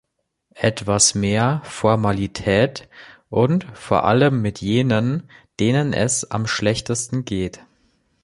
Etwas mehr Formalität, und vor allem mit jenen, denen es am schlechtesten geht.